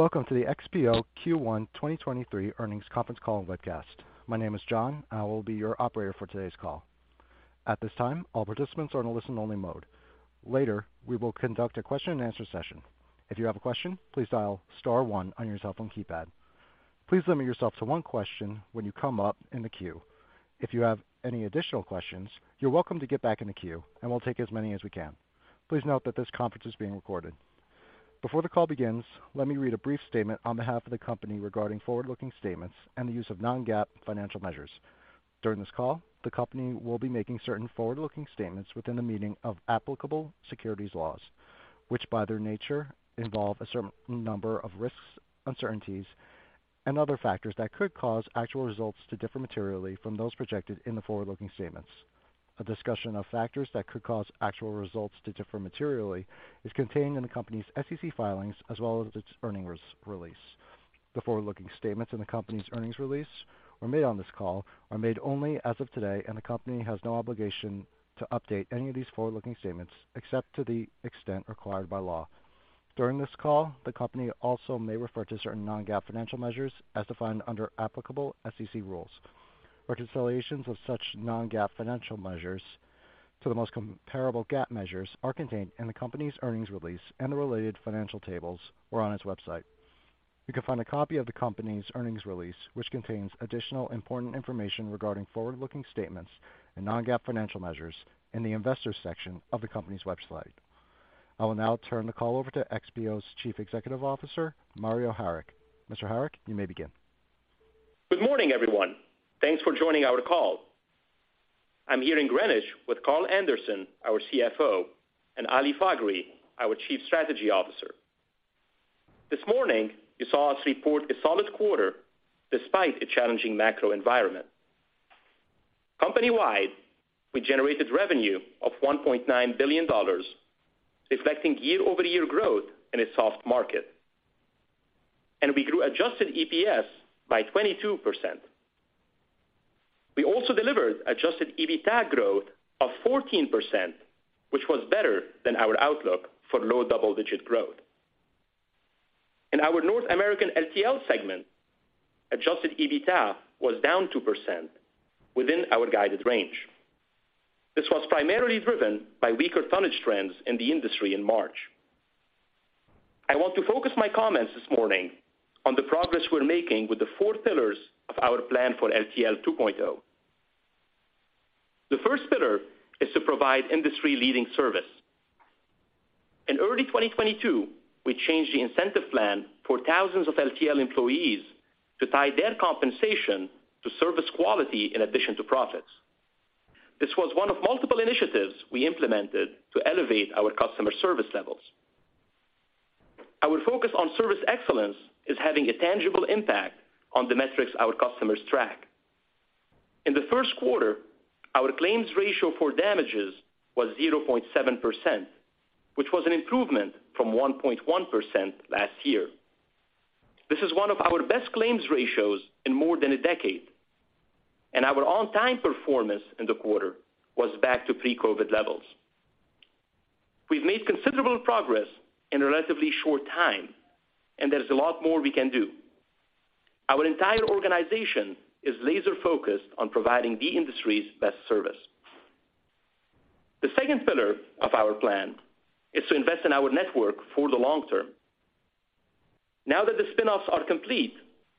Welcome to the XPO Q1 2023 Earnings Conference Call and Webcast. My name is John. I will be your operator for today's call. At this time, all participants are in a listen-only mode. Later, we will conduct a question-and-answer session. If you have a question, please dial star one on your cell phone keypad. Please limit yourself to one question when you come up in the queue. If you have any additional questions, you're welcome to get back in the queue. We'll take as many as we can. Please note that this conference is being recorded. Before the call begins, let me read a brief statement on behalf of the company regarding forward-looking statements and the use of non-GAAP financial measures. During this call, the company will be making certain forward-looking statements within the meaning of applicable securities laws, which by their nature involve a certain number of risks, uncertainties, and other factors that could cause actual results to differ materially from those projected in the forward-looking statements. A discussion of factors that could cause actual results to differ materially is contained in the company's SEC filings as well as its earnings release. The forward-looking statements in the company's earnings release or made on this call are made only as of today, and the company has no obligation to update any of these forward-looking statements except to the extent required by law. During this call, the company also may refer to certain non-GAAP financial measures as defined under applicable SEC rules. Reconciliations of such non-GAAP financial measures to the most comparable GAAP measures are contained in the company's earnings release and the related financial tables or on its website. You can find a copy of the company's earnings release, which contains additional important information regarding forward-looking statements and non-GAAP financial measures in the investors section of the company's website. I will now turn the call over to XPO's Chief Executive Officer, Mario Harik. Mr. Harik, you may begin. Good morning, everyone. Thanks for joining our call. I'm here in Greenwich with Carl Anderson, our CFO, and Ali Faghri, our Chief Strategy Officer. This morning, you saw us report a solid quarter despite a challenging macro environment. Company-wide, we generated revenue of $1.9 billion, reflecting year-over-year growth in a soft market. We grew adjusted EPS by 22%. We also delivered adjusted EBITDA growth of 14%, which was better than our outlook for low double-digit growth. In our North American LTL segment, adjusted EBITDA was down 2% within our guided range. This was primarily driven by weaker tonnage trends in the industry in March. I want to focus my comments this morning on the progress we're making with the four pillars of our plan for LTL 2.0. The first pillar is to provide industry-leading service. In early 2022, we changed the incentive plan for thousands of LTL employees to tie their compensation to service quality in addition to profits. This was one of multiple initiatives we implemented to elevate our customer service levels. Our focus on service excellence is having a tangible impact on the metrics our customers track. In the Q1, our claims ratio for damages was 0.7%, which was an improvement from 1.1% last year. This is one of our best claims ratios in more than a decade, and our on-time performance in the quarter was back to pre-COVID levels. We've made considerable progress in a relatively short time, and there's a lot more we can do. Our entire organization is laser-focused on providing the industry's best service. The second pillar of our plan is to invest in our network for the long term. Now that the spin-offs are complete,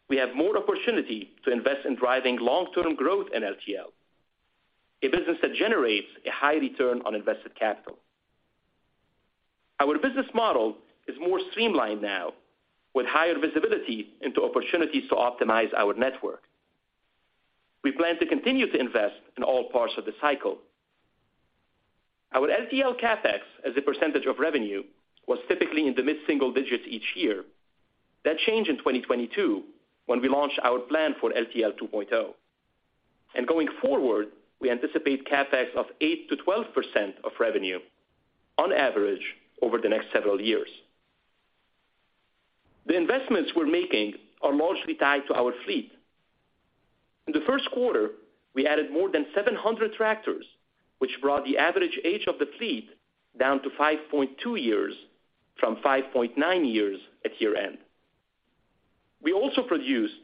we have more opportunity to invest in driving long-term growth in LTL, a business that generates a high return on invested capital. Our business model is more streamlined now, with higher visibility into opportunities to optimize our network. We plan to continue to invest in all parts of the cycle. Our LTL CapEx as a percent of revenue was typically in the mid-single digits each year. That changed in 2022 when we launched our plan for LTL 2.0. Going forward, we anticipate CapEx of 8%-12% of revenue on average over the next several years. The investments we're making are largely tied to our fleet. In the Q1, we added more than 700 tractors, which brought the average age of the fleet down to five point two years from five point nine years at year-end. We also produced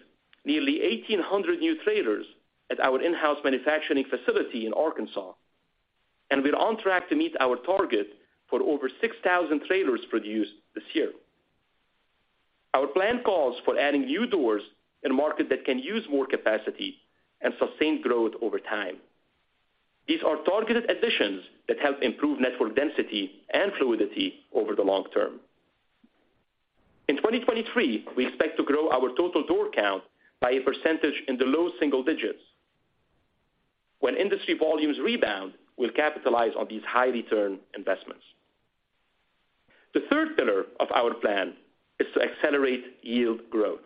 nearly 1,800 new trailers at our in-house manufacturing facility in Arkansas. We're on track to meet our target for over 6,000 trailers produced this year. Our plan calls for adding new doors in a market that can use more capacity and sustain growth over time. These are targeted additions that help improve network density and fluidity over the long term. In 2023, we expect to grow our total door count by a percentage in the low single digits. When industry volumes rebound, we'll capitalize on these high return investments. The third pillar of our plan is to accelerate yield growth.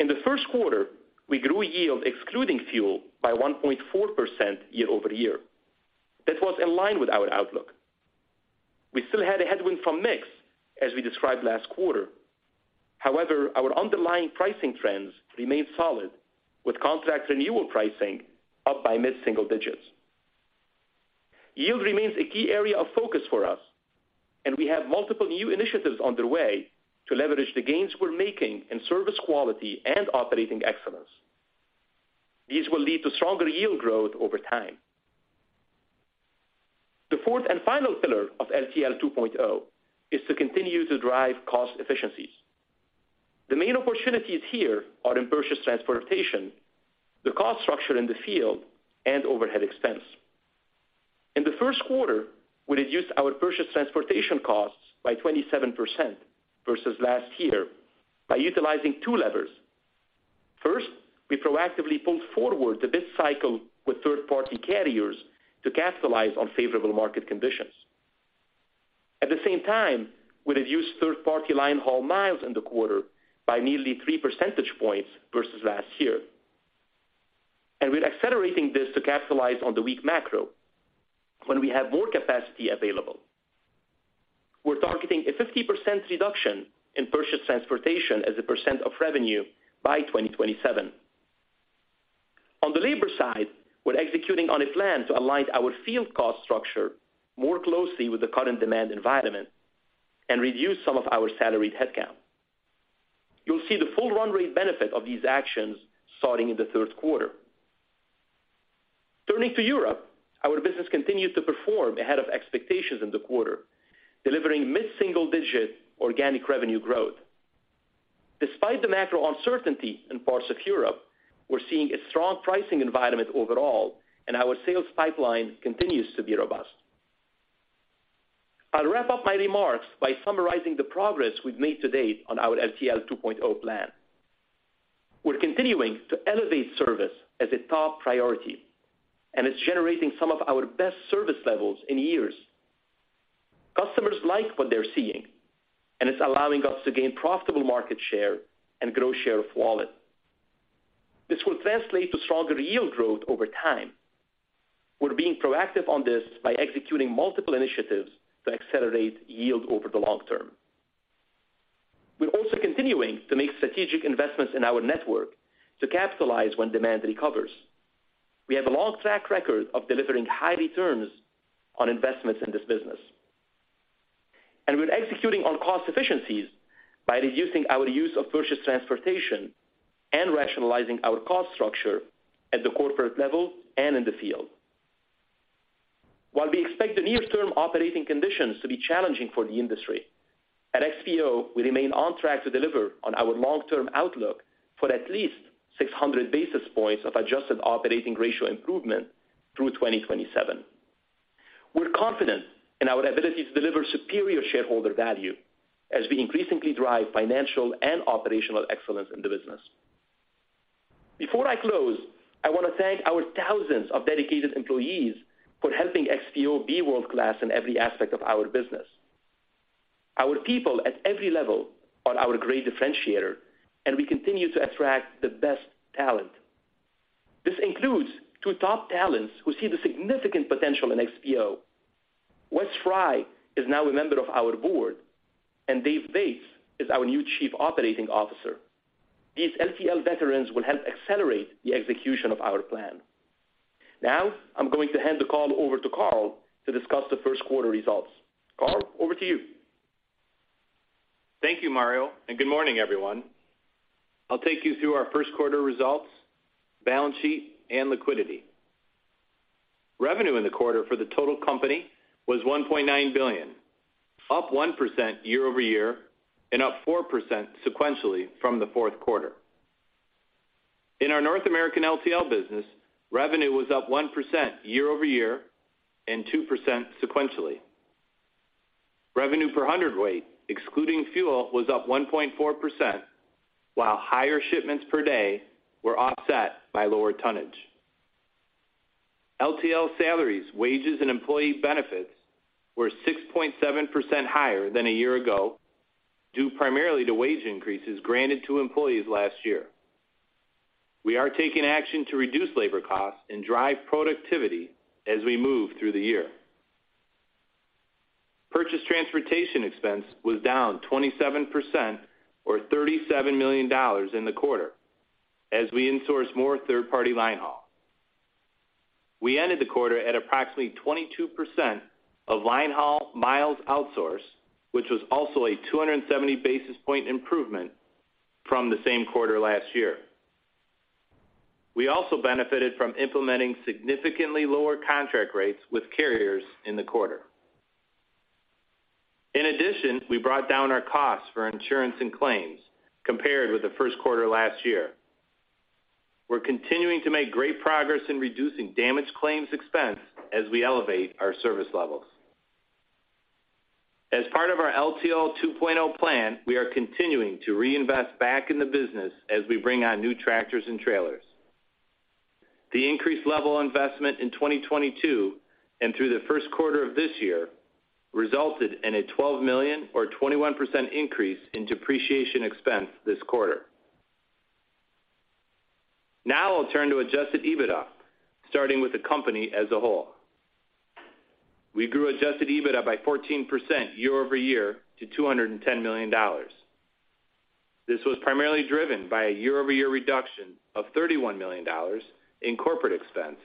In the Q1, we grew yield excluding fuel by one point four percent year-over-year. That was in line with our outlook. We still had a headwind from mix, as we described last quarter. Our underlying pricing trends remained solid, with contract renewal pricing up by mid-single digits. Yield remains a key area of focus for us, we have multiple new initiatives underway to leverage the gains we're making in service quality and operating excellence. These will lead to stronger yield growth over time. The fourth and final pillar of LTL 2.0 is to continue to drive cost efficiencies. The main opportunities here are in purchase transportation, the cost structure in the field, and overhead expense. In the Q1, we reduced our purchase transportation costs by 27% versus last year by utilizing two levers. First, we proactively pulled forward the bid cycle with third-party carriers to capitalize on favorable market conditions. At the same time, we reduced third-party line haul miles in the quarter by nearly 3 percentage points versus last year. We're accelerating this to capitalize on the weak macro when we have more capacity available. We're targeting a 50% reduction in purchase transportation as a percent of revenue by 2027. On the labor side, we're executing on a plan to align our field cost structure more closely with the current demand environment and reduce some of our salaried headcount. You'll see the full run rate benefit of these actions starting in the Q3. Turning to Europe, our business continued to perform ahead of expectations in the quarter, delivering mid-single-digit organic revenue growth. Despite the macro uncertainty in parts of Europe, we're seeing a strong pricing environment overall. Our sales pipeline continues to be robust. I'll wrap up my remarks by summarizing the progress we've made to date on our LTL 2.0 plan. We're continuing to elevate service as a top priority, and it's generating some of our best service levels in years. Customers like what they're seeing, and it's allowing us to gain profitable market share and grow share of wallet. This will translate to stronger yield growth over time. We're being proactive on this by executing multiple initiatives to accelerate yield over the long term. We're also continuing to make strategic investments in our network to capitalize when demand recovers. We have a long track record of delivering high returns on investments in this business. We're executing on cost efficiencies by reducing our use of purchase transportation and rationalizing our cost structure at the corporate level and in the field. While we expect the near-term operating conditions to be challenging for the industry, at XPO, we remain on track to deliver on our long-term outlook for at least 600 basis points of adjusted operating ratio improvement through 2027. We're confident in our ability to deliver superior shareholder value as we increasingly drive financial and operational excellence in the business. Before I close, I want to thank our thousands of dedicated employees for helping XPO be world-class in every aspect of our business. Our people at every level are our great differentiator, and we continue to attract the best talent. This includes 2 top talents who see the significant potential in XPO. J. Wes Frye is now a member of our board, and Dave Bates is our new Chief Operating Officer. These LTL veterans will help accelerate the execution of our plan. Now, I'm going to hand the call over to Carl to discuss the Q1 results. Carl, over to you. Thank you, Mario. Good morning, everyone. I'll take you through our Q1 results, balance sheet, and liquidity. Revenue in the quarter for the total company was $1.9 billion, up one percent year-over-year and up to four percent sequentially from the Q4. In our North American LTL business, revenue was up 1% year-over-year and 2% sequentially. Revenue per hundredweight, excluding fuel, was up 1.4%, while higher shipments per day were offset by lower tonnage. LTL salaries, wages, and employee benefits were 6.7% higher than a year ago, due primarily to wage increases granted to employees last year. We are taking action to reduce labor costs and drive productivity as we move through the year. Purchase transportation expense was down 27% or $37 million in the quarter as we insourced more third-party linehaul. We ended the quarter at approximately 22% of linehaul miles outsourced, which was also a 270 basis point improvement from the same quarter last year. We also benefited from implementing significantly lower contract rates with carriers in the quarter. In addition, we brought down our costs for insurance and claims compared with the Q1 last year. We're continuing to make great progress in reducing damage claims expense as we elevate our service levels. As part of our LTL 2.0 plan, we are continuing to reinvest back in the business as we bring on new tractors and trailers. The increased level investment in 2022 and through the Q1 of this year resulted in a $12 million or 21% increase in depreciation expense this quarter. Now I'll turn to adjusted EBITDA, starting with the company as a whole. We grew adjusted EBITDA by 14% year-over-year to $210 million. This was primarily driven by a year-over-year reduction of $31 million in corporate expense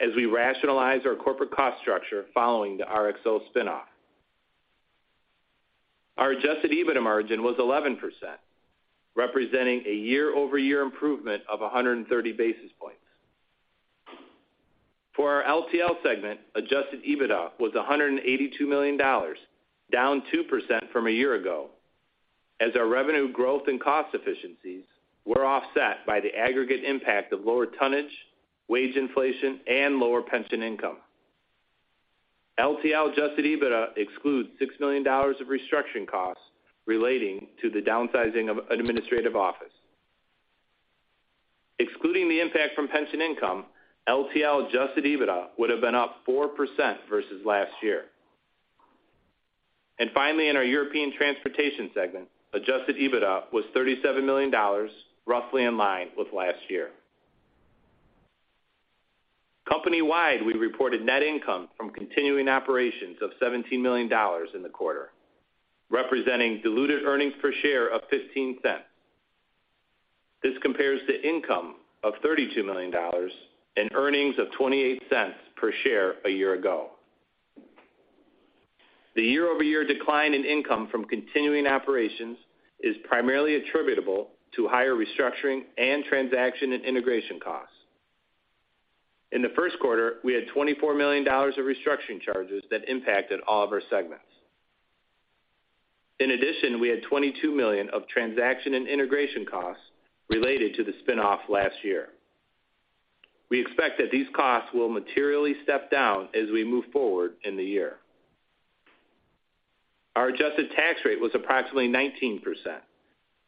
as we rationalize our corporate cost structure following the RXO spin-off. Our adjusted EBITDA margin was 11%, representing a year-over-year improvement of 130 basis points. For our LTL segment, adjusted EBITDA was $182 million, down 2% from a year ago as our revenue growth and cost efficiencies were offset by the aggregate impact of lower tonnage, wage inflation, and lower pension income. LTL adjusted EBITDA excludes $6 million of restructuring costs relating to the downsizing of an administrative office. Excluding the impact from pension income, LTL adjusted EBITDA would have been up 4% versus last year. Finally, in our European transportation segment, adjusted EBITDA was $37 million, roughly in line with last year. Company-wide, we reported net income from continuing operations of $17 million in the quarter, representing diluted earnings per share of $0.15. This compares to income of $32 million and earnings of $0.28 per share a year ago. The year-over-year decline in income from continuing operations is primarily attributable to higher restructuring and transaction and integration costs. In the Q1, we had $24 million of restructuring charges that impacted all of our segments. In addition, we had $22 million of transaction and integration costs related to the spin-off last year. We expect that these costs will materially step down as we move forward in the year. Our adjusted tax rate was approximately 19%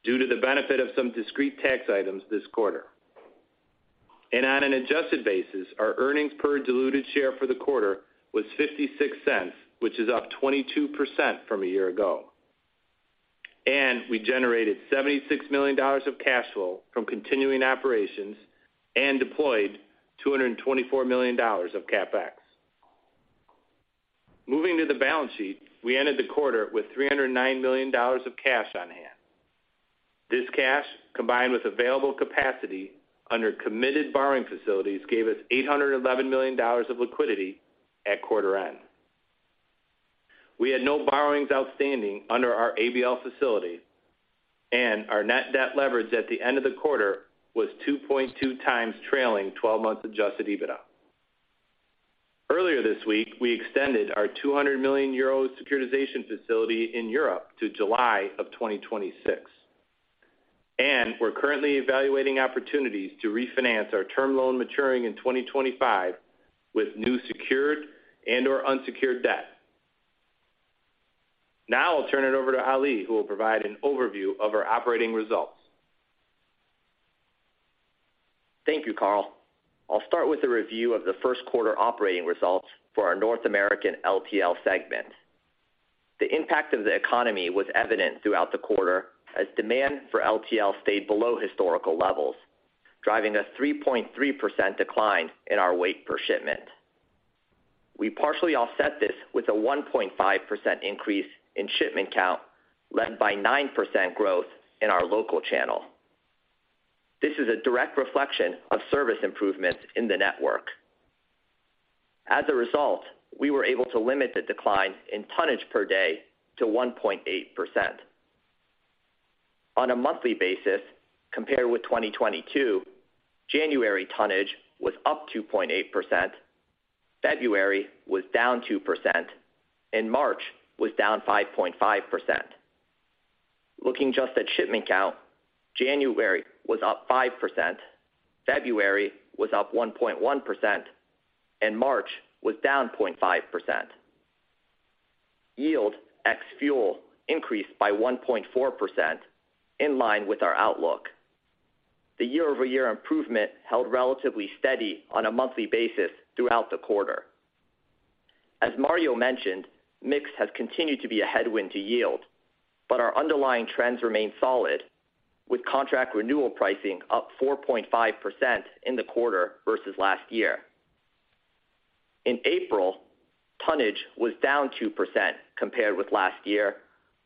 due to the benefit of some discrete tax items this quarter. On an adjusted basis, our earnings per diluted share for the quarter was $0.56, which is up 22% from a year ago. We generated $76 million of cash flow from continuing operations and deployed $224 million of CapEx. Moving to the balance sheet, we ended the quarter with $309 million of cash on hand. This cash, combined with available capacity under committed borrowing facilities, gave us $811 million of liquidity at quarter end. We had no borrowings outstanding under our ABL facility, and our net debt leverage at the end of the quarter was 2.2 times trailing twelve months adjusted EBITDA. Earlier this week, we extended our 200 million euro securitization facility in Europe to July of 2026. We're currently evaluating opportunities to refinance our term loan maturing in 2025 with new secured and/or unsecured debt. I'll turn it over to Ali, who will provide an overview of our operating results. Thank you, Carl. I'll start with a review of the Q1 operating results for our North American LTL segment. The impact of the economy was evident throughout the quarter as demand for LTL stayed below historical levels, driving a 3.3% decline in our weight per shipment. We partially offset this with a 1.5% increase in shipment count, led by 9% growth in our local channel. This is a direct reflection of service improvements in the network. As a result, we were able to limit the decline in tonnage per day to 1.8%. On a monthly basis, compared with 2022, January tonnage was up 2.8%, February was down 2%, and March was down 5.5%. Looking just at shipment count, January was up 5%, February was up 1.1%, and March was down 0.5%. Yield, ex-fuel, increased by 1.4%, in line with our outlook. The year-over-year improvement held relatively steady on a monthly basis throughout the quarter. As Mario mentioned, mix has continued to be a headwind to yield, but our underlying trends remain solid, with contract renewal pricing up 4.5% in the quarter versus last year. In April, tonnage was down 2% compared with last year,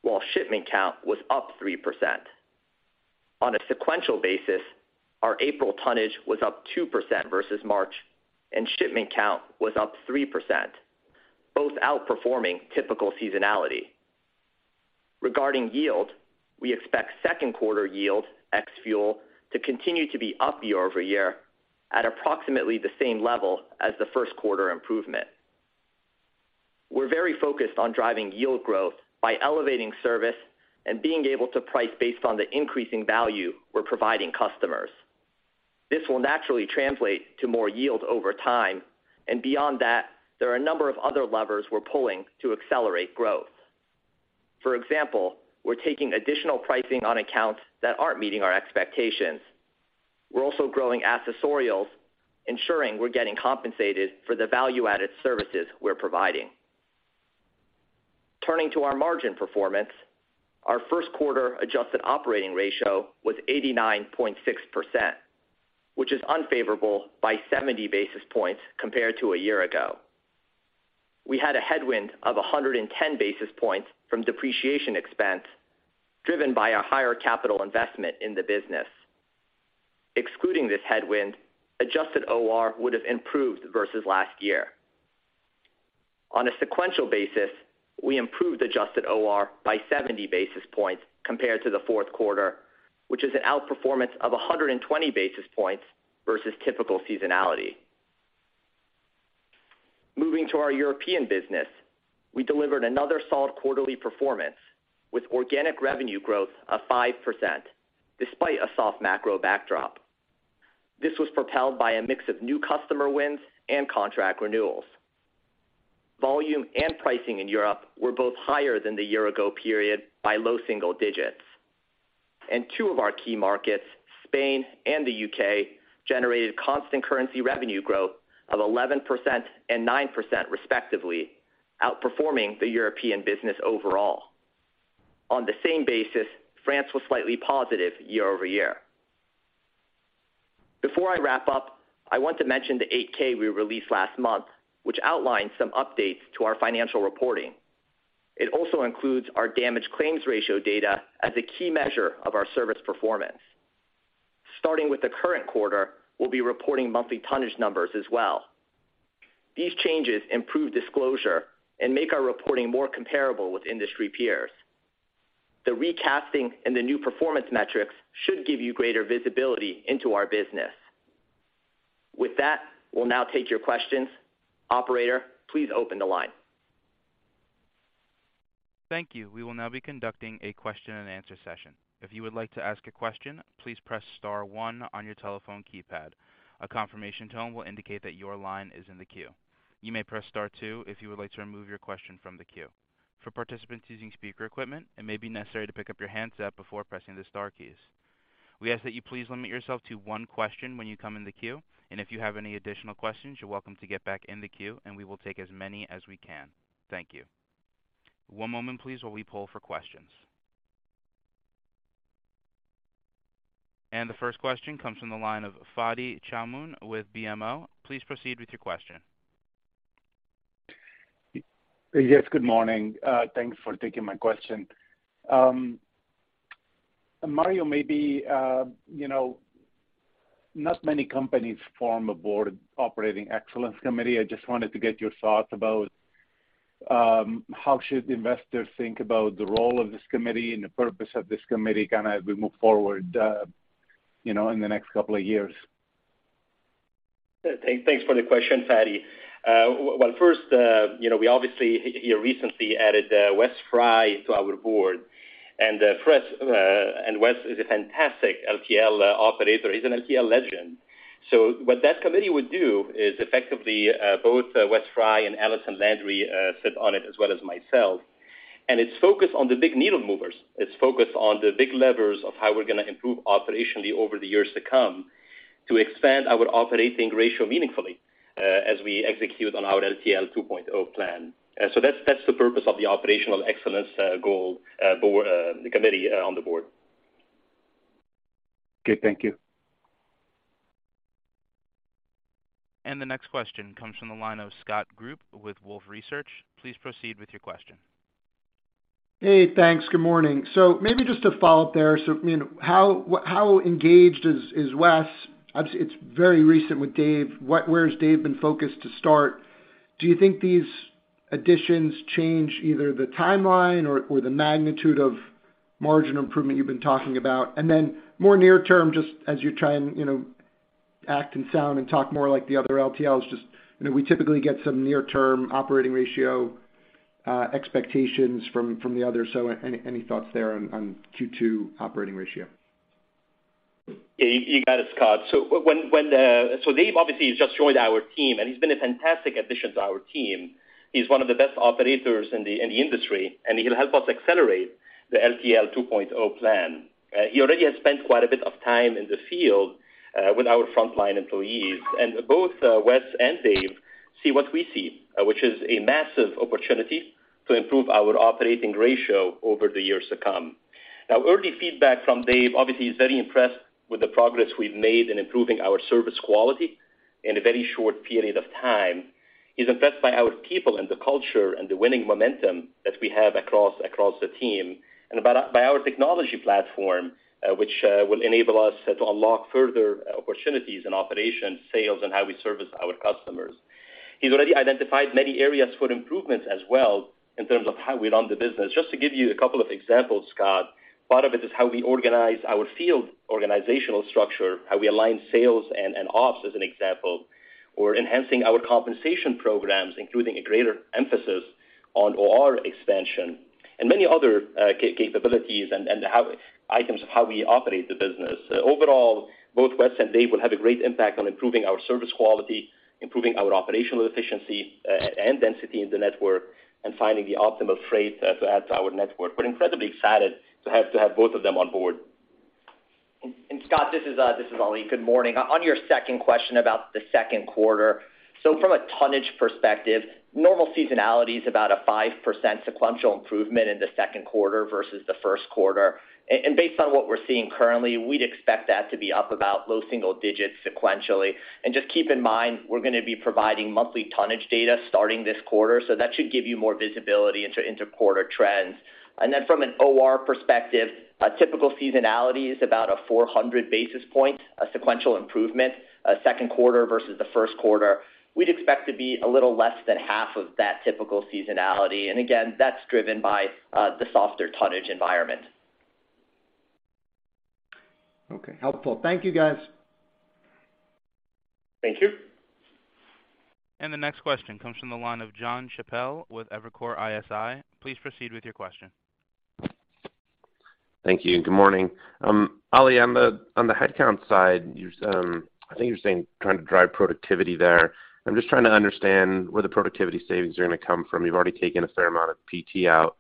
while shipment count was up 3%. On a sequential basis, our April tonnage was up 2% versus March, and shipment count was up 3%, both outperforming typical seasonality. Regarding yield, we expect Q2 yield, ex-fuel, to continue to be up year-over-year at approximately the same level as the Q1 improvement. We're very focused on driving yield growth by elevating service and being able to price based on the increasing value we're providing customers. This will naturally translate to more yield over time. Beyond that, there are a number of other levers we're pulling to accelerate growth. For example, we're taking additional pricing on accounts that aren't meeting our expectations. We're also growing accessorials, ensuring we're getting compensated for the value-added services we're providing. Turning to our margin performance, our Q1 adjusted operating ratio was 89.6%, which is unfavorable by 70 basis points compared to a year ago. We had a headwind of 110 basis points from depreciation expense, driven by a higher capital investment in the business. Excluding this headwind, adjusted OR would have improved versus last year. On a sequential basis, we improved adjusted OR by 70 basis points compared to the Q4, which is an outperformance of 120 basis points versus typical seasonality. Moving to our European business, we delivered another solid quarterly performance with organic revenue growth of 5% despite a soft macro backdrop. This was propelled by a mix of new customer wins and contract renewals. Volume and pricing in Europe were both higher than the year ago period by low single digits. Two of our key markets, Spain and the U.K., generated constant currency revenue growth of 11% and 9% respectively, outperforming the European business overall. On the same basis, France was slightly positive year-over-year. Before I wrap up, I want to mention the 8-K we released last month, which outlines some updates to our financial reporting. It also includes our damage claims ratio data as a key measure of our service performance. Starting with the current quarter, we'll be reporting monthly tonnage numbers as well. These changes improve disclosure and make our reporting more comparable with industry peers. The recasting and the new performance metrics should give you greater visibility into our business. We'll now take your questions. Operator, please open the line. Thank you. We will now be conducting a question and answer session. If you would like to ask a question, please press star one on your telephone keypad. A confirmation tone will indicate that your line is in the queue. You may press star two if you would like to remove your question from the queue. For participants using speaker equipment, it may be necessary to pick up your handset before pressing the star keys. We ask that you please limit yourself to one question when you come in the queue, and if you have any additional questions, you're welcome to get back in the queue, and we will take as many as we can. Thank you. One moment, please, while we pull for questions. The first question comes from the line of Fadi Chamoun with BMO. Please proceed with your question. Yes, good morning. Thanks for taking my question. Mario, maybe, you know, not many companies form a board operating excellence committee. I just wanted to get your thoughts about how should investors think about the role of this committee and the purpose of this committee kind of as we move forward, you know, in the next couple of years. Thanks for the question, Fadi. Well, first, you know, we obviously recently added Wes Fry to our board. Wes is a fantastic LTL operator. He's an LTL legend. What that committee would do is effectively, both J. Wes Frye and Allison Landry sit on it as well as myself. It's focused on the big needle movers. It's focused on the big levers of how we're gonna improve operationally over the years to come to expand our operating ratio meaningfully as we execute on our LTL 2.0 plan. That's the purpose of the operational excellence goal board, the committee on the board. Okay. Thank you. The next question comes from the line of Scott Group with Wolfe Research. Please proceed with your question. Hey, thanks. Good morning. Maybe just to follow up there. You know, how engaged is Wes? It's very recent with Dave. Where's Dave been focused to start? Do you think these additions change either the timeline or the magnitude of margin improvement you've been talking about? More near term, just as you try and, you know, act and sound and talk more like the other LTLs, just, you know, we typically get some near-term operating ratio, uh, expectations from the others. Any, any thoughts there on Q2 operating ratio? Yeah, you got it, Scott. Dave obviously has just joined our team, and he's been a fantastic addition to our team. He's one of the best operators in the industry, and he'll help us accelerate the LTL 2.0 plan. He already has spent quite a bit of time in the field, with our frontline employees. Both Wes and Dave see what we see, which is a massive opportunity to improve our operating ratio over the years to come. Early feedback from Dave, obviously, he's very impressed with the progress we've made in improving our service quality in a very short period of time. He's impressed by our people and the culture and the winning momentum that we have across the team and by our technology platform, which will enable us to unlock further opportunities in operations, sales, and how we service our customers. He's already identified many areas for improvements as well in terms of how we run the business. Just to give you a couple of examples, Scott, part of it is how we organize our field organizational structure, how we align sales and ops, as an example, or enhancing our compensation programs, including a greater emphasis on OR expansion and many other capabilities and how items of how we operate the business. Overall, both Wes and Dave will have a great impact on improving our service quality, improving our operational efficiency, and density in the network, and finding the optimal freight to add to our network. We're incredibly excited to have both of them on board. Scott, this is Ali. Good morning. On your second question about the Q2. From a tonnage perspective, normal seasonality is about a 5% sequential improvement in the Q2 versus the Q1. Based on what we're seeing currently, we'd expect that to be up about low single digits sequentially. Just keep in mind, we're gonna be providing monthly tonnage data starting this quarter, so that should give you more visibility into inter-quarter trends. From an OR perspective, a typical seasonality is about a 400 basis point sequential improvement, Q2 versus the Q1. We'd expect to be a little less than half of that typical seasonality. Again, that's driven by the softer tonnage environment. Okay. Helpful. Thank you, guys. Thank you. The next question comes from the line of Jon Chappell with Evercore ISI. Please proceed with your question. Thank you, and good morning. Ali, on the, on the headcount side, you're, I think you're saying trying to drive productivity there. I'm just trying to understand where the productivity savings are gonna come from. You've already taken a fair amount of PT out,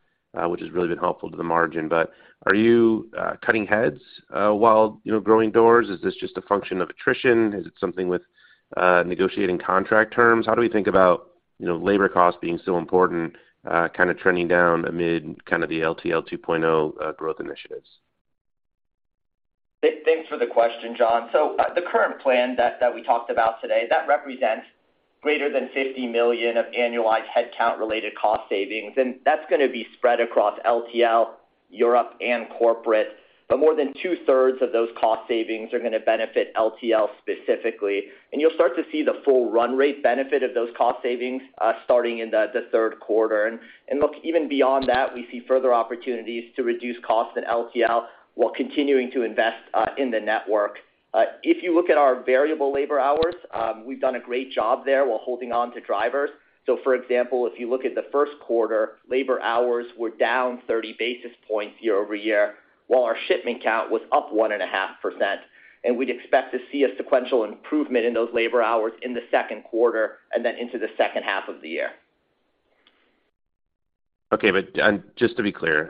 which has really been helpful to the margin. Are you cutting heads while, you know, growing doors? Is this just a function of attrition? Is it something with negotiating contract terms? How do we think about, you know, labor costs being so important, kinda trending down amid kinda the LTL 2.0 growth initiatives? Thanks for the question, John. The current plan that we talked about today, that represents greater than $50 million of annualized headcount-related cost savings, and that's gonna be spread across LTL, Europe, and corporate. More than two-thirds of those cost savings are gonna benefit LTL specifically. You'll start to see the full run rate benefit of those cost savings starting in the Q3. Look, even beyond that, we see further opportunities to reduce costs in LTL while continuing to invest in the network. If you look at our variable labor hours, we've done a great job there while holding on to drivers. For example, if you look at the Q1, labor hours were down 30 basis points year-over-year, while our shipment count was up 1.5%. We'd expect to see a sequential improvement in those labor hours in the Q2 and then into the H2. Okay. Just to be clear,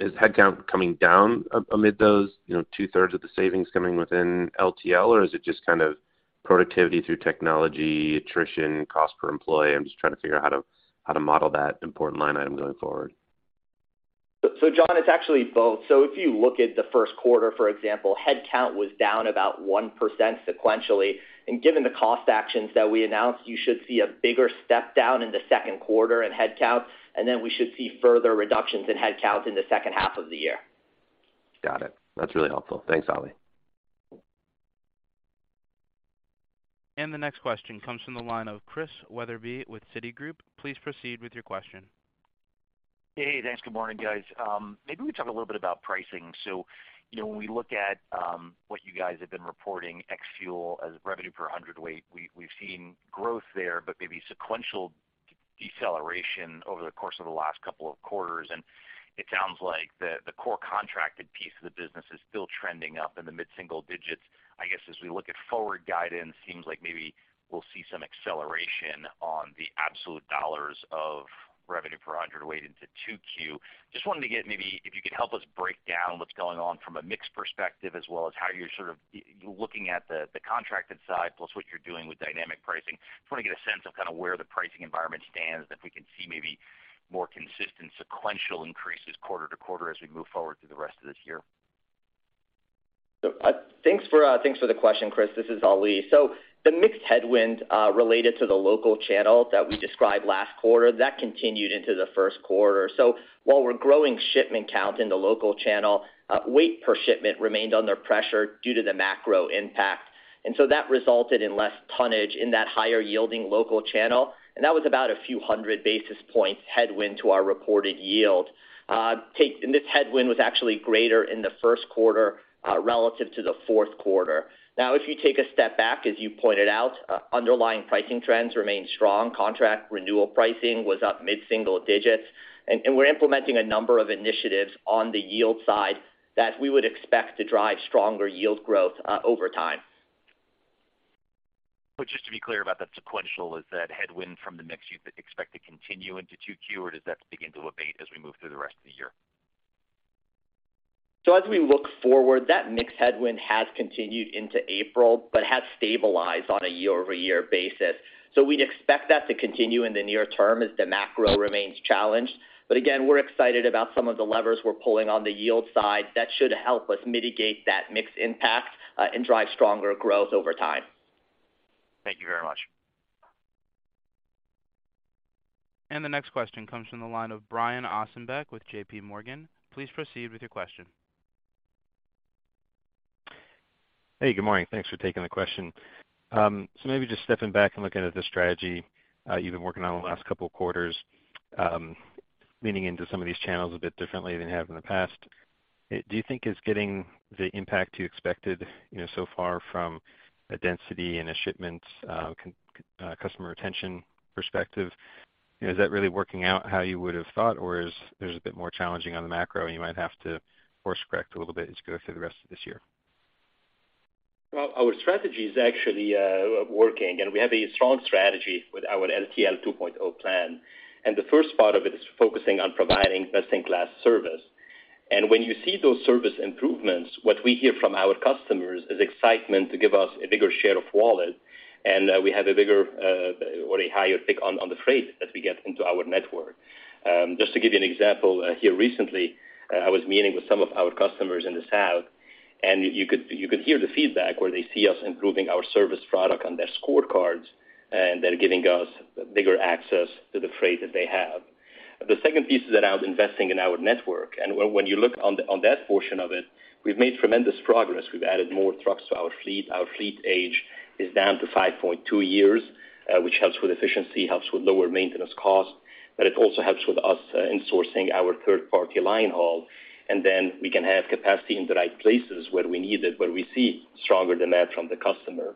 is headcount coming down amid those, you know, two-thirds of the savings coming within LTL, or is it just kind of productivity through technology, attrition, cost per employee? I'm just trying to figure out how to model that important line item going forward. So John, it's actually both. If you look at the Q1, for example, headcount was down about 1% sequentially. Given the cost actions that we announced, you should see a bigger step down in the Q2 in headcount, we should see further reductions in headcount in the H2. Got it. That's really helpful. Thanks, Ali. The next question comes from the line of Christian Wetherbee with Citigroup. Please proceed with your question. Hey. Thanks. Good morning, guys. Maybe we talk a little bit about pricing. You know, when we look at what you guys have been reporting ex fuel as revenue per hundredweight, we've seen growth there, but maybe sequential deceleration over the course of the last couple of quarters. It sounds like the core contracted piece of the business is still trending up in the mid-single digits. I guess as we look at forward guidance, seems like maybe we'll see some acceleration on the absolute dollars of revenue per hundredweight into 2Q. Just wanted to get maybe if you could help us break down what's going on from a mix perspective as well as how you're looking at the contracted side plus what you're doing with dynamic pricing. Just wanna get a sense of kinda where the pricing environment stands, if we can see maybe more consistent sequential increases quarter to quarter as we move forward through the rest of this year. Thanks for the question, Chris. This is Ali. The mixed headwinds related to the local channel that we described last quarter, that continued into the Q1. While we're growing shipment count in the local channel, weight per shipment remained under pressure due to the macro impact. That resulted in less tonnage in that higher-yielding local channel, and that was about a few hundred basis points headwind to our reported yield. This headwind was actually greater in the Q1 relative to the Q4. If you take a step back, as you pointed out, underlying pricing trends remain strong. Contract renewal pricing was up mid-single digits. We're implementing a number of initiatives on the yield side that we would expect to drive stronger yield growth over time. Just to be clear about that sequential, is that headwind from the mix you expect to continue into 2Q, or does that begin to abate as we move through the rest of the year? As we look forward, that mix headwind has continued into April, but has stabilized on a year-over-year basis. We'd expect that to continue in the near term as the macro remains challenged. Again, we're excited about some of the levers we're pulling on the yield side that should help us mitigate that mix impact and drive stronger growth over time. Thank you very much. The next question comes from the line of Brian Ossenbeck with JPMorgan. Please proceed with your question. Hey. Good morning. Thanks for taking the question. Maybe just stepping back and looking at the strategy you've been working on the last couple of quarters, leaning into some of these channels a bit differently than you have in the past. Do you think it's getting the impact you expected, you know, so far from a density and a shipment, customer retention perspective? You know, is that really working out how you would have thought, or is there's a bit more challenging on the macro, and you might have to course correct a little bit as you go through the rest of this year? Well, our strategy is actually working, and we have a strong strategy with our LTL 2.0 plan. The first part of it is focusing on providing best-in-class service. When you see those service improvements, what we hear from our customers is excitement to give us a bigger share of wallet, and we have a bigger, or a higher pick on the freight that we get into our network. Just to give you an example, here recently, I was meeting with some of our customers in the south, and you could hear the feedback where they see us improving our service product on their scorecards, and they're giving us bigger access to the freight that they have. The second piece is around investing in our network. When you look on that portion of it, we've made tremendous progress. We've added more trucks to our fleet. Our fleet age is down to five point two years, which helps with efficiency, helps with lower maintenance costs, but it also helps with us insourcing our third-party line haul, and then we can have capacity in the right places where we need it, where we see stronger demand from the customer.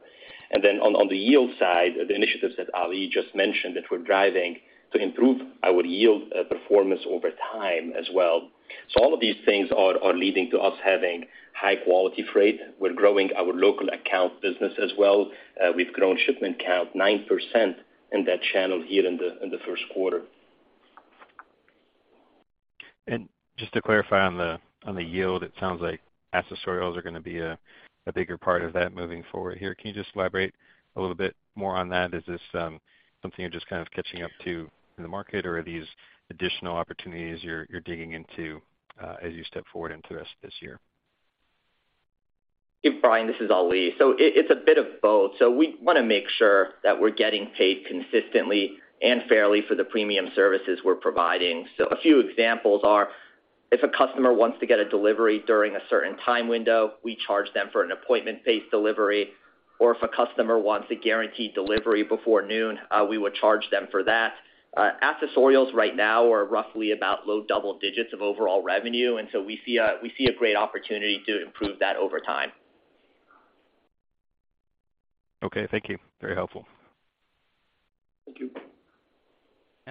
On the yield side, the initiatives that Ali just mentioned that we're driving to improve our yield performance over time as well. All of these things are leading to us having high quality freight. We're growing our local account business as well. We've grown shipment count nine percent in that channel here in the Q1. Just to clarify on the, on the yield, it sounds like accessorials are gonna be a bigger part of that moving forward here. Can you just elaborate a little bit more on that? Is this something you're just kind of catching up to in the market, or are these additional opportunities you're digging into as you step forward into this year? Yeah, Brian, this is Ali. It's a bit of both. We wanna make sure that we're getting paid consistently and fairly for the premium services we're providing. A few examples are if a customer wants to get a delivery during a certain time window, we charge them for an appointment-based delivery, or if a customer wants a guaranteed delivery before noon, we would charge them for that. Accessorials right now are roughly about low double digits of overall revenue, and so we see a great opportunity to improve that over time. Okay. Thank you. Very helpful. Thank you.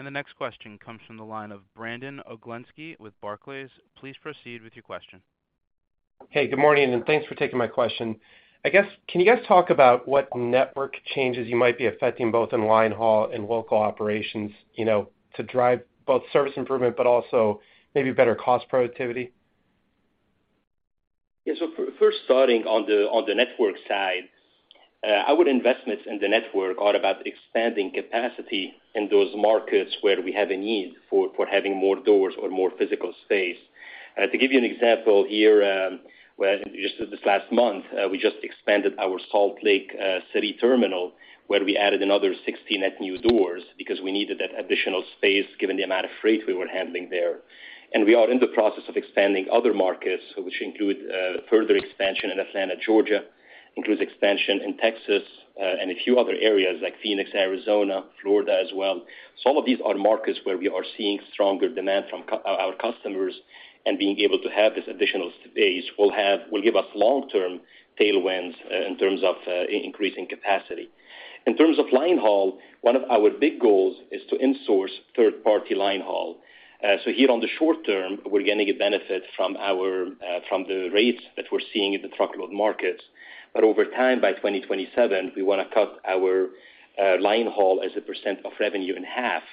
The next question comes from the line of Brandon Oglenski with Barclays. Please proceed with your question. Hey, good morning. Thanks for taking my question. I guess, can you guys talk about what network changes you might be affecting both in line haul and local operations, you know, to drive both service improvement but also maybe better cost productivity? Yeah. First starting on the, on the network side, our investments in the network are about expanding capacity in those markets where we have a need for having more doors or more physical space. To give you an example, here, where just this last month, we just expanded our Salt Lake City terminal, where we added another 16 net new doors because we needed that additional space given the amount of freight we were handling there. We are in the process of expanding other markets, which include, further expansion in Atlanta, Georgia, includes expansion in Texas, and a few other areas like Phoenix, Arizona, Florida as well. All of these are markets where we are seeing stronger demand from our customers, and being able to have this additional space will give us long-term tailwinds in terms of increasing capacity. In terms of line haul, one of our big goals is to insource third-party line haul. Here on the short term, we're gonna get benefit from the rates that we're seeing in the truckload markets. Over time, by 2027, we wanna cut our line haul as a percent of revenue in half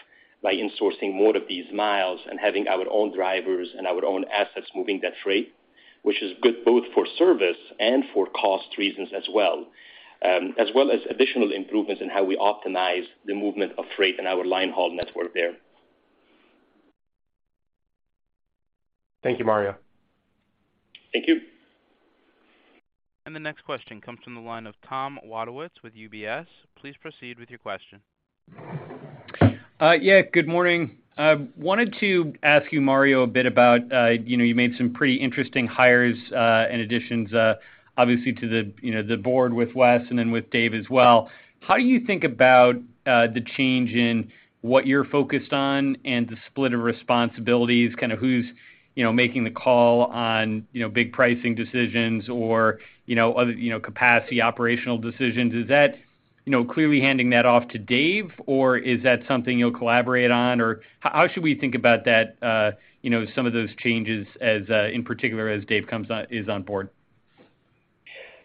by insourcing more of these miles and having our own drivers and our own assets moving that freight, which is good both for service and for cost reasons as well, as well as additional improvements in how we optimize the movement of freight in our line haul network there. Thank you, Mario. Thank you. The next question comes from the line of Tom Wadewitz with UBS. Please proceed with your question. Yeah, good morning. Wanted to ask you, Mario, a bit about, you know, you made some pretty interesting hires and additions, obviously to the, you know, the board with Wes and then with Dave as well. How do you think about the change in what you're focused on and the split of responsibilities, kind of who's making the call on big pricing decisions or other capacity operational decisions? Is that clearly handing that off to Dave, or is that something you'll collaborate on, or how should we think about that, some of those changes as in particular as Dave comes on, is on board?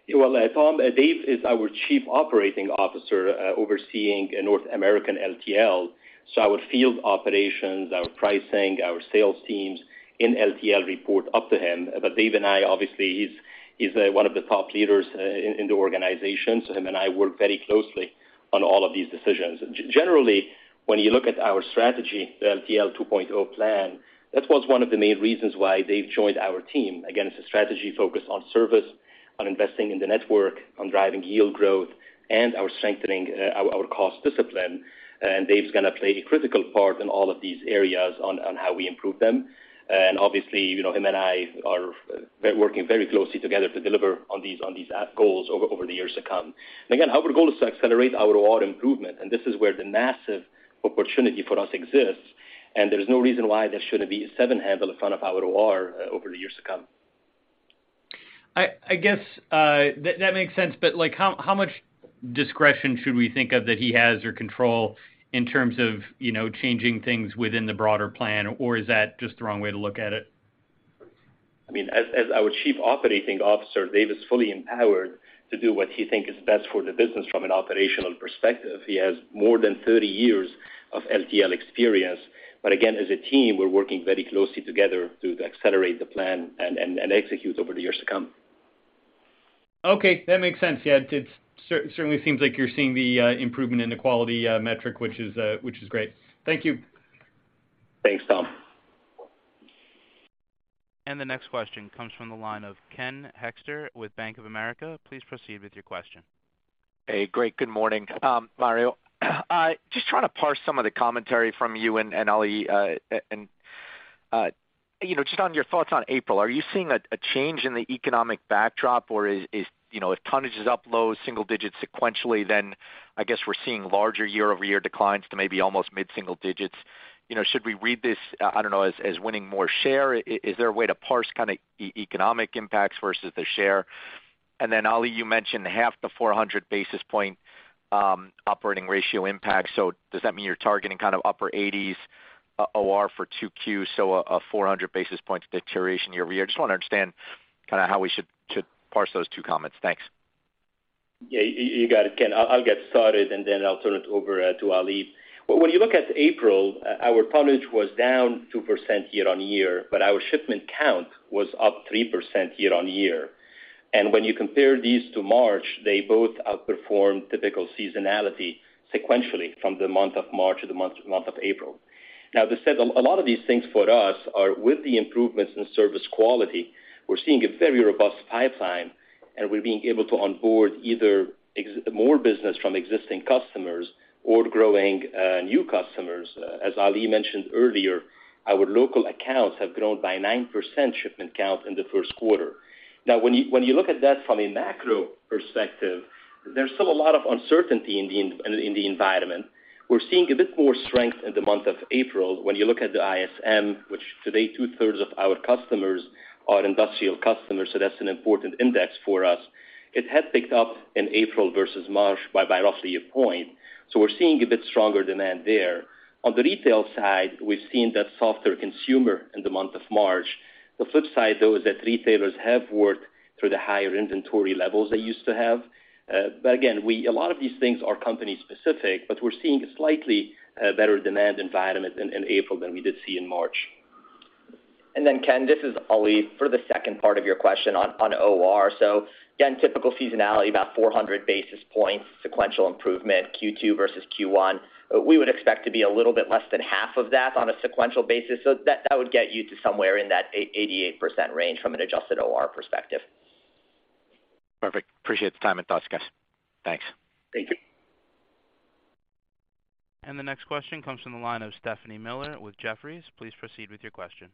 Yeah. Well, Tom, Dave is our Chief Operating Officer, overseeing North American LTL, so our field operations, our pricing, our sales teams in LTL report up to him. Dave and I, obviously he's one of the top leaders in the organization, so him and I work very closely on all of these decisions. Generally, when you look at our strategy, the LTL 2.0 plan, that was one of the main reasons why Dave joined our team. Again, it's a strategy focused on service, on investing in the network, on driving yield growth, and our strengthening our cost discipline. Dave's gonna play a critical part in all of these areas on how we improve them. Obviously, you know, him and I are working very closely together to deliver on these goals over the years to come. Again, our goal is to accelerate our ROA improvement, and this is where the massive opportunity for us exists, and there's no reason why there shouldn't be a seven handle in front of our ROA over the years to come. I guess, that makes sense, but, like, how much discretion should we think of that he has or control in terms of, you know, changing things within the broader plan, or is that just the wrong way to look at it? I mean, as our Chief Operating Officer, Dave is fully empowered to do what he think is best for the business from an operational perspective. He has more than 30 years of LTL experience. Again, as a team, we're working very closely together to accelerate the plan and execute over the years to come. Okay, that makes sense. Yeah, it certainly seems like you're seeing the improvement in the quality metric, which is great. Thank you. Thanks, Tom. The next question comes from the line of Ken Hoexter with Bank of America. Please proceed with your question. Hey, great. Good morning, Mario. Just trying to parse some of the commentary from you and Ali, you know, just on your thoughts on April. Are you seeing a change in the economic backdrop, or is, you know, if tonnage is up low single digits sequentially, then I guess we're seeing larger year-over-year declines to maybe almost mid-single digits? You know, should we read this, I don't know, as winning more share? Is there a way to parse kind of economic impacts versus the share? Ali, you mentioned half the 400 basis point operating ratio impact. Does that mean you're targeting kind of upper 80s OR for 2Q, a 400 basis points deterioration year-over-year? I just wanna understand kind of how we should parse those two comments. Thanks. Yeah, you got it, Ken. I'll get started, and then I'll turn it over to Ali. When you look at April, our tonnage was down two percent year-over-year, but our shipment count was up three percent year-over-year. When you compare these to March, they both outperformed typical seasonality sequentially from the month of March to the month of April. As I said, a lot of these things for us are with the improvements in service quality. We're seeing a very robust pipeline, and we're being able to onboard either more business from existing customers or growing new customers. As Ali mentioned earlier, our local accounts have grown by nine percent shipment count in the Q1. When you look at that from a macro perspective, there's still a lot of uncertainty in the environment. We're seeing a bit more strength in the month of April when you look at the ISM, which today two-thirds of our customers are industrial customers, so that's an important index for us. It had picked up in April versus March by roughly a point. We're seeing a bit stronger demand there. On the retail side, we've seen that softer consumer in the month of March. The flip side, though, is that retailers have worked through the higher inventory levels they used to have. Again, a lot of these things are company specific, but we're seeing a slightly better demand environment in April than we did see in March. Ken, this is Ali. For the second part of your question on OR. Again, typical seasonality, about 400 basis points, sequential improvement, Q2 versus Q1. We would expect to be a little bit less than half of that on a sequential basis. That would get you to somewhere in that 88% range from an adjusted OR perspective. Perfect. Appreciate the time and thoughts, guys. Thanks. Thank you. The next question comes from the line of Stephanie Moore with Jefferies. Please proceed with your question.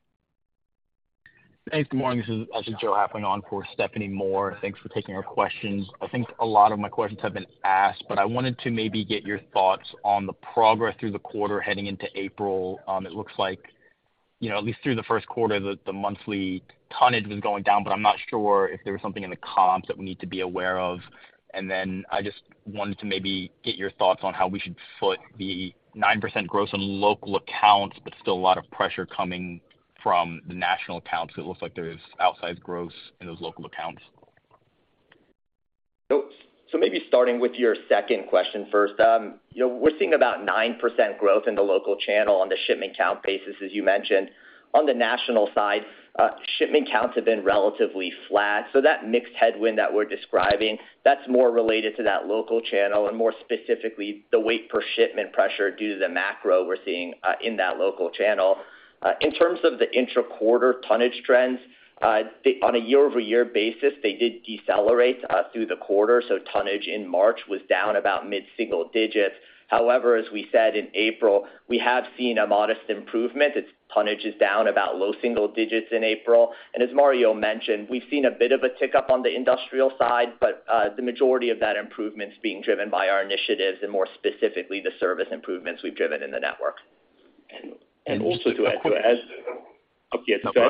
Thanks. Good morning. This is actually Joe Haffner on for Stephanie Moore. Thanks for taking our questions. I think a lot of my questions have been asked, but I wanted to maybe get your thoughts on the progress through the quarter heading into April. It looks like, you know, at least through the Q1, the monthly tonnage was going down, but I'm not sure if there was something in the comps that we need to be aware of. I just wanted to maybe get your thoughts on how we should foot the nine percent growth in local accounts, but still a lot of pressure coming from the national accounts. It looks like there is outsized growth in those local accounts. Maybe starting with your second question first. You know, we're seeing about 9% growth in the local channel on the shipment count basis, as you mentioned. On the national side, shipment counts have been relatively flat. That mixed headwind that we're describing, that's more related to that local channel and more specifically, the weight per shipment pressure due to the macro we're seeing, in that local channel. In terms of the intra-quarter tonnage trends, on a year-over-year basis, they did decelerate through the quarter, tonnage in March was down about mid-single digits. As we said in April, we have seen a modest improvement. Its tonnage is down about low single digits in April. As Mario mentioned, we've seen a bit of a tick up on the industrial side, but, the majority of that improvement is being driven by our initiatives and more specifically, the service improvements we've driven in the network. Also to add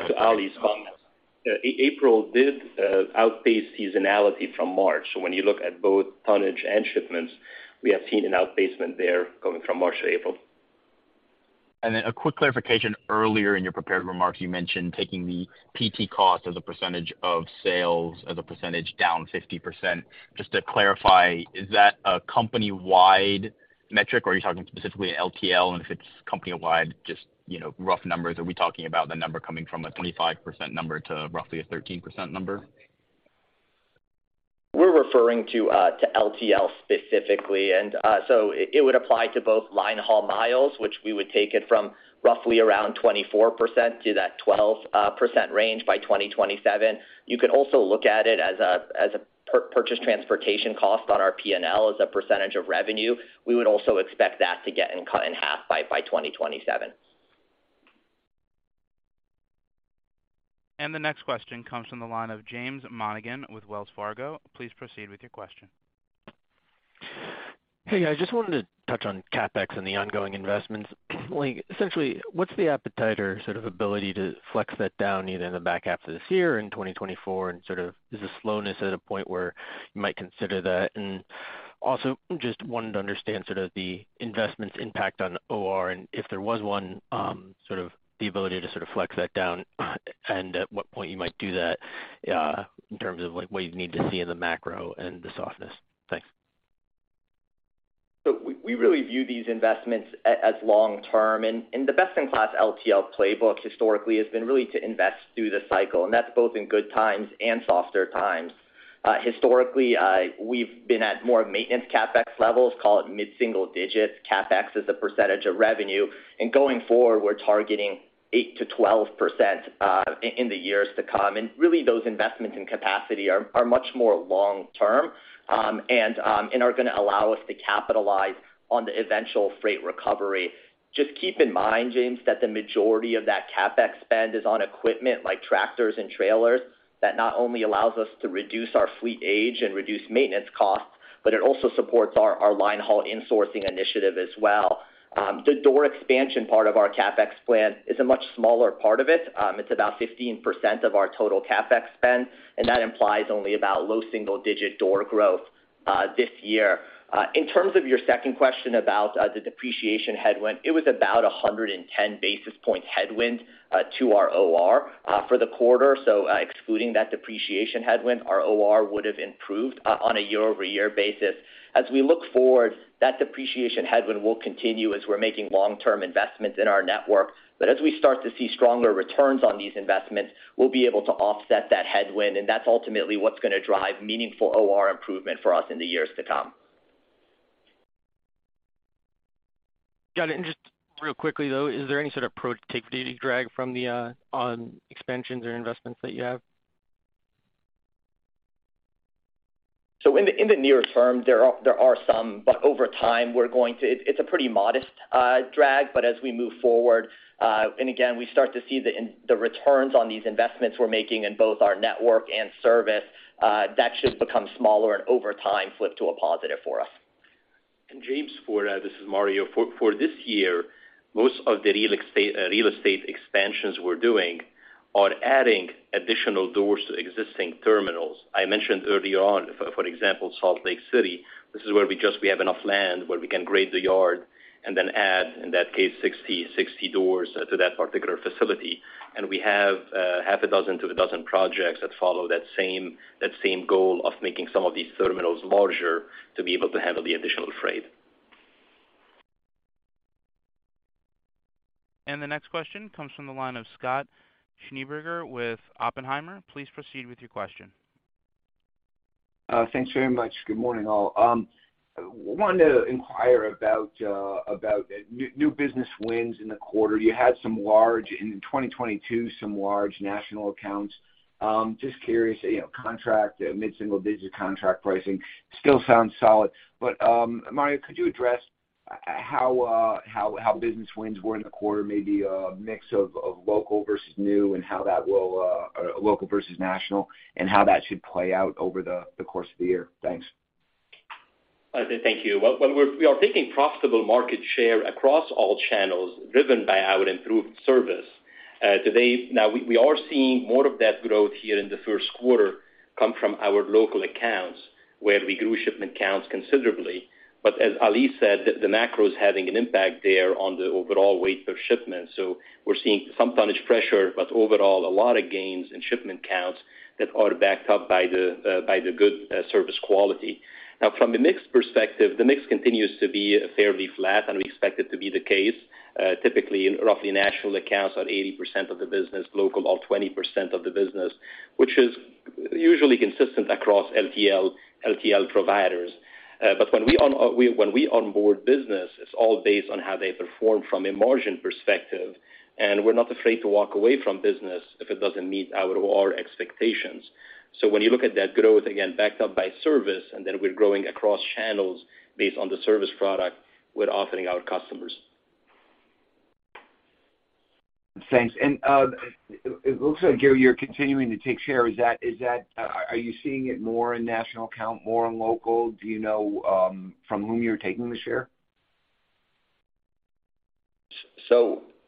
to Ali's comments. April did outpace seasonality from March. When you look at both tonnage and shipments, we have seen an outplacement there going from March to April. A quick clarification. Earlier in your prepared remarks, you mentioned taking the PT cost as a percentage of sales as a percentage down 50%. Just to clarify, is that a company-wide metric, or are you talking specifically LTL? If it's company-wide, just, you know, rough numbers. Are we talking about the number coming from a 25% number to roughly a 13% number? We're referring to LTL specifically. It would apply to both line haul miles, which we would take it from roughly around 24% to that 12% range by 2027. You could also look at it as a purchase transportation cost on our P&L as a percentage of revenue. We would also expect that to cut in half by 2027. The next question comes from the line of James Monahan with Wells Fargo. Please proceed with your question. Hey, guys. Just wanted to touch on CapEx and the ongoing investments. Like, essentially, what's the appetite or sort of ability to flex that down either in the back half of this year or in 2024? Sort of is the slowness at a point where you might consider that? Just wanted to understand sort of the investments impact on OR, and if there was one, sort of the ability to sort of flex that down and at what point you might do that, in terms of like what you need to see in the macro and the softness. Thanks. We really view these investments as long term, and the best-in-class LTL playbook historically has been really to invest through the cycle, and that's both in good times and softer times. Historically, we've been at more maintenance CapEx levels, call it mid-single-digit CapEx as a % of revenue. Going forward, we're targeting 8%-12% in the years to come. Really those investments in capacity are much more long-term, and are gonna allow us to capitalize on the eventual freight recovery. Just keep in mind, James, that the majority of that CapEx spend is on equipment like tractors and trailers that not only allows us to reduce our fleet age and reduce maintenance costs, but it also supports our line haul insourcing initiative as well. The door expansion part of our CapEx plan is a much smaller part of it. It's about 15% of our total CapEx spend, and that implies only about low single-digit door growth this year. In terms of your second question about the depreciation headwind, it was about a 110 basis point headwind to our OR for the quarter. Excluding that depreciation headwind, our OR would have improved on a year-over-year basis. As we look forward, that depreciation headwind will continue as we're making long-term investments in our network. As we start to see stronger returns on these investments, we'll be able to offset that headwind, and that's ultimately what's gonna drive meaningful OR improvement for us in the years to come. Got it. Just real quickly, though, is there any sort of productivity drag from the on expansions or investments that you have? In the nearest term, there are some, but over time, it's a pretty modest drag. As we move forward, and again, we start to see the returns on these investments we're making in both our network and service, that should become smaller and over time, flip to a positive for us. James, for, this is Mario. For this year, most of the real estate expansions we're doing are adding additional doors to existing terminals. I mentioned early on, for example, Salt Lake City, this is where we just, we have enough land where we can grade the yard and then add, in that case, 60 doors to that particular facility. We have half a dozen to a dozen projects that follow that same goal of making some of these terminals larger to be able to handle the additional freight. The next question comes from the line of Scott Schneeberger with Oppenheimer. Please proceed with your question. Thanks very much. Good morning, all. Wanted to inquire about new business wins in the quarter. You had some large in 2022, some large national accounts. Just curious, you know, contract mid-single-digit contract pricing still sounds solid. Mario, could you address how business wins were in the quarter, maybe a mix of local versus new, and how that will local versus national, and how that should play out over the course of the year? Thanks. Thank you. Well, we're, we are taking profitable market share across all channels driven by our improved service. Today, now we are seeing more of that growth here in the Q1 come from our local accounts, where we grew shipment counts considerably. As Ali said, the macro is having an impact there on the overall weight of shipments. We're seeing some tonnage pressure, but overall, a lot of gains in shipment counts that are backed up by the good service quality. From the mix perspective, the mix continues to be fairly flat, and we expect it to be the case. Typically, roughly national accounts on 80% of the business, local, all 20% of the business, which is usually consistent across LTL providers. When we onboard business, it's all based on how they perform from a margin perspective, and we're not afraid to walk away from business if it doesn't meet our OR expectations. When you look at that growth, again, backed up by service, and then we're growing across channels based on the service product we're offering our customers. Thanks. it looks like you're continuing to take share. Is that, are you seeing it more in national account, more in local? Do you know, from whom you're taking the share?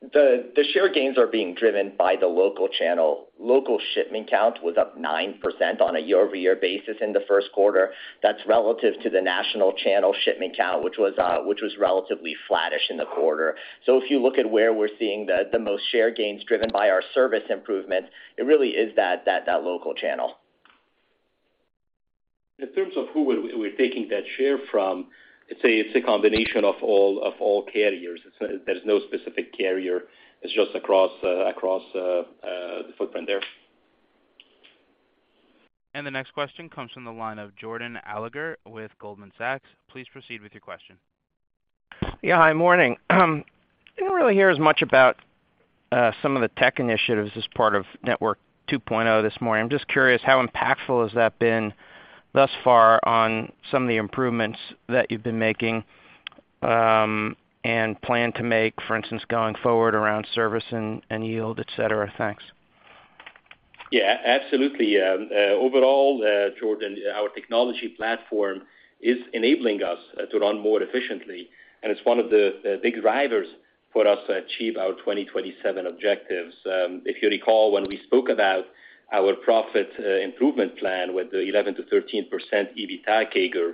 The share gains are being driven by the local channel. Local shipment count was up 9% on a year-over-year basis in the 1st quarter. That's relative to the national channel shipment count, which was relatively flattish in the quarter. If you look at where we're seeing the most share gains driven by our service improvements, it really is that local channel. In terms of who we're taking that share from, it's a combination of all carriers. It's, there's no specific carrier. It's just across the footprint there. The next question comes from the line of Jordan Alliger with Goldman Sachs. Please proceed with your question. Hi. Morning. didn't really hear as much about some of the tech initiatives as part of Network 2.0 this morning. I'm just curious, how impactful has that been thus far on some of the improvements that you've been making, and plan to make, for instance, going forward around service and yield, et cetera? Thanks. Yeah, absolutely. overall, Jordan, our technology platform is enabling us to run more efficiently, and it's one of the big drivers for us to achieve our 2027 objectives. If you recall, when we spoke about our profit, improvement plan with the 11%-13% EBITDA CAGR,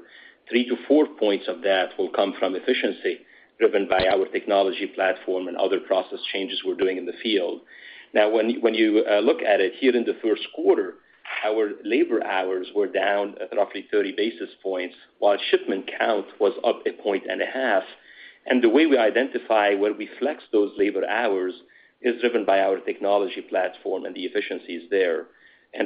three to four points of that will come from efficiency driven by our technology platform and other process changes we're doing in the field. Now, when you look at it here in the Q1, our labor hours were down roughly 30 basis points, while shipment count was up a point and a half. The way we identify where we flex those labor hours is driven by our technology platform and the efficiencies there.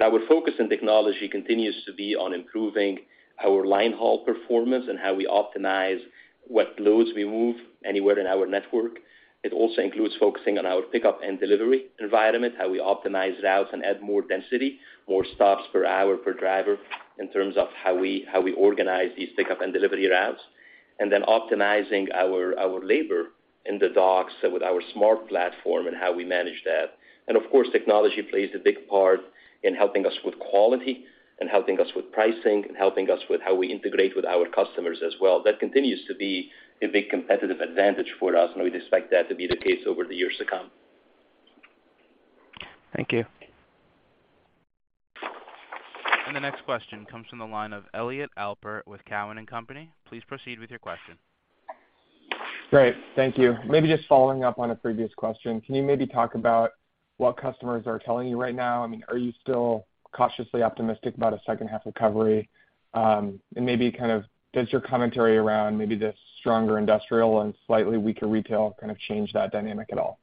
Our focus in technology continues to be on improving our line haul performance and how we optimize what loads we move anywhere in our network. It also includes focusing on our pickup and delivery environment, how we optimize routes and add more density, more stops per hour per driver in terms of how we organize these pickup and delivery routes, and then optimizing our labor in the docks with our smart platform and how we manage that. Of course, technology plays a big part in helping us with quality and helping us with pricing and helping us with how we integrate with our customers as well. That continues to be a big competitive advantage for us, and we'd expect that to be the case over the years to come. Thank you. The next question comes from the line of Elliott Alper with Cowen and Company. Please proceed with your question. Great. Thank you. Maybe just following up on a previous question, can you maybe talk about what customers are telling you right now? I mean, are you still cautiously optimistic about a second half recovery? Maybe kind of does your commentary around maybe the stronger industrial and slightly weaker retail kind of change that dynamic at all?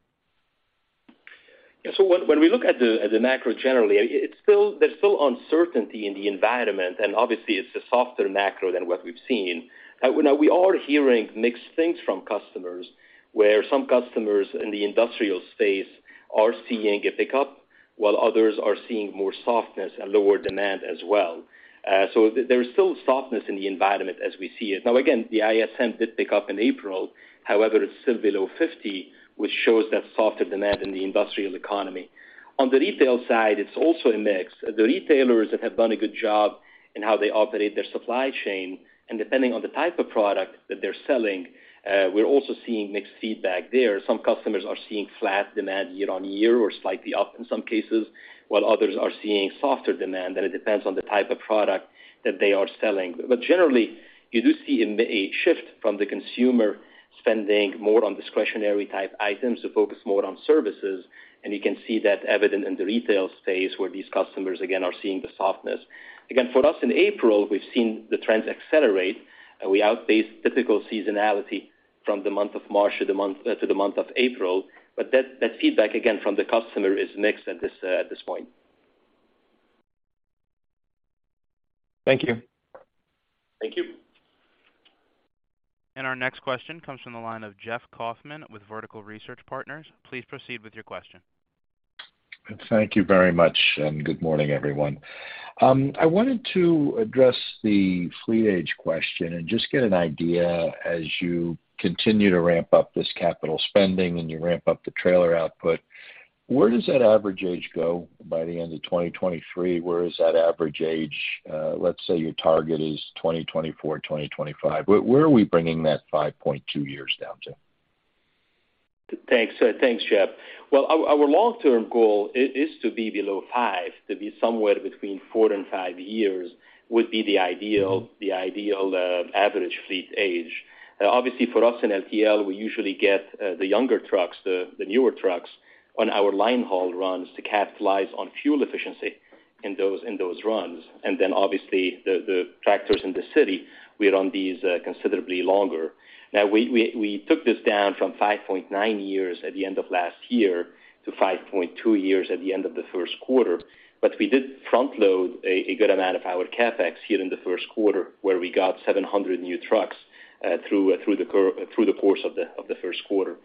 Yeah. When we look at the macro, generally, there's still uncertainty in the environment, obviously it's a softer macro than what we've seen. Now, we are hearing mixed things from customers, where some customers in the industrial space are seeing a pickup while others are seeing more softness and lower demand as well. There's still softness in the environment as we see it. Now, again, the ISM did pick up in April, however, it's still below 50, which shows that softer demand in the industrial economy. On the retail side, it's also a mix. The retailers have done a good job in how they operate their supply chain, depending on the type of product that they're selling, we're also seeing mixed feedback there. Some customers are seeing flat demand year on year or slightly up in some cases, while others are seeing softer demand, and it depends on the type of product that they are selling. Generally, you do see a shift from the consumer spending more on discretionary type items to focus more on services, and you can see that evident in the retail space where these customers, again, are seeing the softness. Again, for us in April, we've seen the trends accelerate. We outpaced typical seasonality from the month of March to the month of April. That feedback again from the customer is mixed at this point. Thank you. Thank you. Our next question comes from the line of Jeffrey Kauffman with Vertical Research Partners. Please proceed with your question. Thank you very much, and good morning, everyone. I wanted to address the fleet age question and just get an idea as you continue to ramp up this capital spending and you ramp up the trailer output, where does that average age go by the end of 2023? Where is that average age, let's say your target is 2024, 2025. Where are we bringing that five point two years down to? Thanks. Thanks, Jeff. Our long-term goal is to be below five, to be somewhere between four and five years would be the ideal average fleet age. Obviously, for us in LTL, we usually get the younger trucks, the newer trucks on our line haul runs to capitalize on fuel efficiency in those runs. Obviously, the tractors in the city, we run these considerably longer. We took this down from five point nine years at the end of last year to five point two years at the end of the Q1. We did front load a good amount of our CapEx here in the Q1, where we got 700 new trucks through the course of the Q1.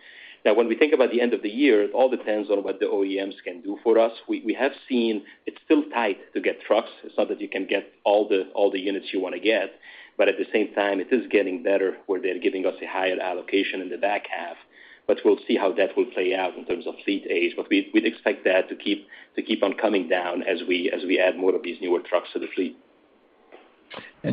When we think about the end of the year, it all depends on what the OEMs can do for us. We have seen it's still tight to get trucks. It's not that you can get all the units you want to get, but at the same time it is getting better where they're giving us a higher allocation in the back half. We'll see how that will play out in terms of fleet age. We'd expect that to keep on coming down as we add more of these newer trucks to the fleet.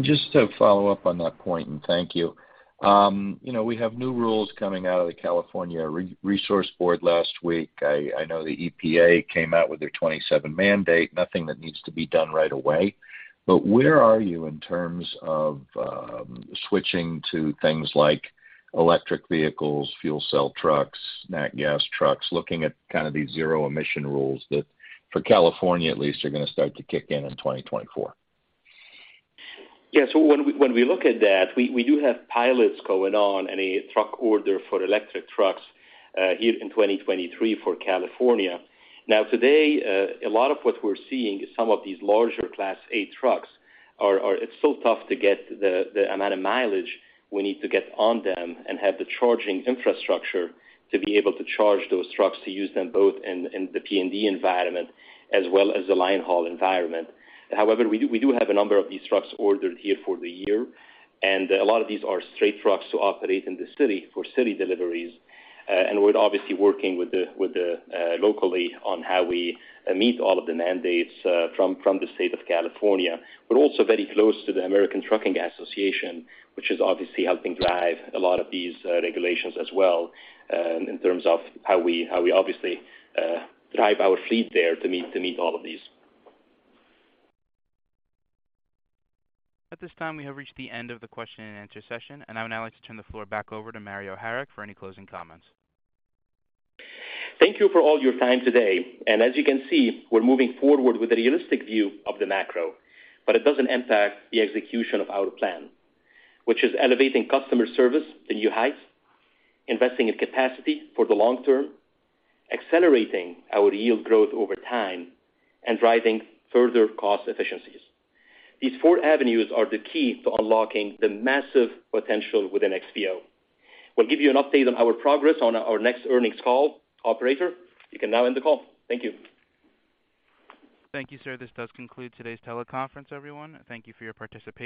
Just to follow up on that point, and thank you. you know, we have new rules coming out of the California Air Resources Board last week. I know the EPA came out with their 2027 mandate, nothing that needs to be done right away. But where are you in terms of switching to things like electric vehicles, fuel cell trucks, nat gas trucks, looking at kind of these zero emission rules that for California at least, are gonna start to kick in in 2024? Yeah. When we look at that, we do have pilots going on and a truck order for electric trucks here in 2023 for California. Today, a lot of what we're seeing is some of these larger class A trucks are it's so tough to get the amount of mileage we need to get on them and have the charging infrastructure to be able to charge those trucks to use them both in the P&D environment as well as the line haul environment. However, we do have a number of these trucks ordered here for the year, and a lot of these are straight trucks to operate in the city for city deliveries. We're obviously working with the, locally on how we meet all of the mandates, from the state of California, but also very close to the American Trucking Associations, which is obviously helping drive a lot of these, regulations as well, in terms of how we obviously, drive our fleet there to meet all of these. At this time, we have reached the end of the question and answer session. I would now like to turn the floor back over to Mario Harik for any closing comments. Thank you for all your time today. As you can see, we're moving forward with a realistic view of the macro, but it doesn't impact the execution of our plan, which is elevating customer service to new heights, investing in capacity for the long term, accelerating our yield growth over time, and driving further cost efficiencies. These four avenues are the key to unlocking the massive potential within XPO. We'll give you an update on our progress on our next earnings call. Operator, you can now end the call. Thank you. Thank you, sir. This does conclude today's teleconference, everyone. Thank you for your participation.